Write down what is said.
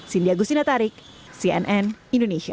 cindy agusin natarik cnn indonesia